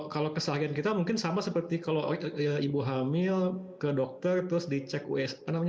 kalau kesahagiaan kita mungkin sama seperti kalau ibu hamil ke dokter terus dicek us